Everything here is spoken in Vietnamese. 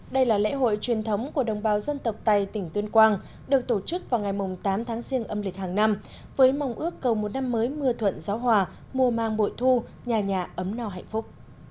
đây là lễ hội truyền thống của đồng bào dân tộc tây tỉnh tuyên quang được tổ chức vào ngày tám tháng riêng âm lịch hàng năm với mong ước cầu một năm mới mưa thuận gió hòa mùa mang bội thu nhà nhà ấm no hạnh phúc